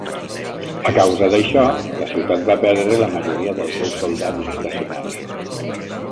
A causa d'això, la ciutat va perdre la majoria dels seus soldats estacionats.